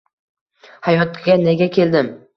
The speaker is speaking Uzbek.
Hayotga nega keldim?